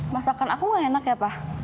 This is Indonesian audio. masakan aku gak enak ya pak